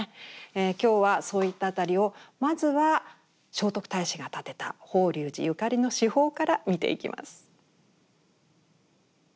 今日はそういった辺りをまずは聖徳太子が建てた法隆寺ゆかりの至宝から見ていきます。